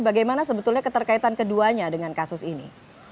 bagaimana sebetulnya keterkaitan keduanya dengan kasus ini